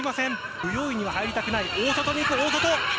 不用意には入りたくない、大外にいく、大外。